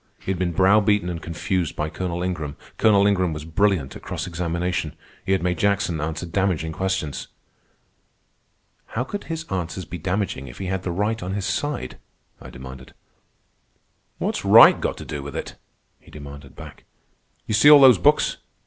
He had been brow beaten and confused by Colonel Ingram. Colonel Ingram was brilliant at cross examination. He had made Jackson answer damaging questions. "How could his answers be damaging if he had the right on his side?" I demanded. "What's right got to do with it?" he demanded back. "You see all those books."